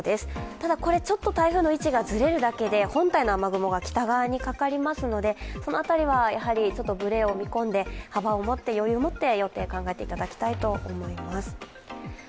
ただ、ちょっと台風の位置がずれるだけで本体の雨雲が北側にかかりますのでその辺りは、ぶれを見込んで幅を持って、余裕を持って予定を考えていただきたいと思います。